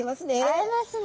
会えますね！